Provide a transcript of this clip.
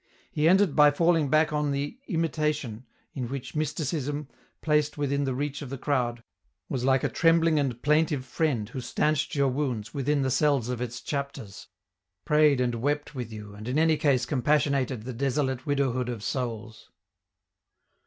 He ended by falling back on the " Imita tion," in which Mysticism, placed within the reach of the crowd, was like a trembling and plaintive friend who stanched your wounds within the cells of its chapters, prayed and wept with you, and in any case compassionated the desolate widowhood of souls.